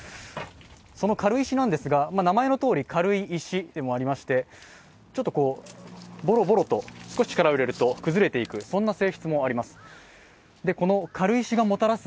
その軽石なんですが、名前のとおり軽い石でもありましてちょっとぼろぼろと、少し力を入れると崩れていくそんな性質もあります。